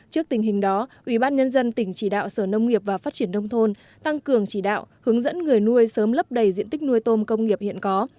trước tình hình đó ubnd tỉnh chỉ đạo sở nông nghiệp và phát triển đông thôn tăng cường chỉ đạo hướng dẫn người nuôi sớm lấp đầy diện tích nuôi tôm công nghiệp hiện có